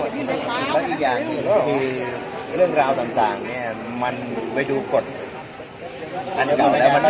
สวัสดีครับพี่เบนสวัสดีครับ